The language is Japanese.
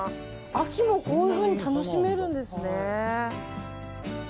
秋もこういうふうに楽しめるんですね。